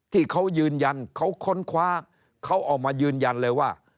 ที่เขายืนยันเขาค้นคว้าเขาออกมายืนยันเลยว่า